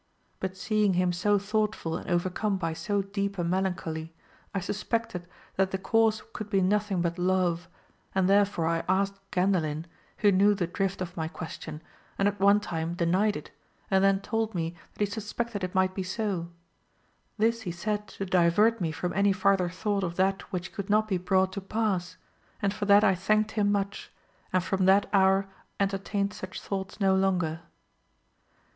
But seeing him so thoughtful and over come by so deep a melancholy, I suspected that the cause could be nothing but love, and therefore I asked Gandalin, who knew the drift of my question and at one time denied it, and then told me that he suspected it might be so, this he said to divert me from any farther thought of that which could not be brought to pass, and for that I thanked him much, and from that hour entertained such thoughts no longer.